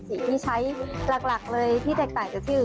สีที่ใช้หลักเลยที่แตกต่างจากชื่อ